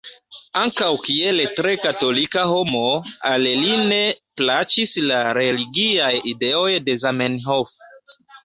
Ankaŭ kiel tre katolika homo, al li ne plaĉis la religiaj ideoj de Zamenhof.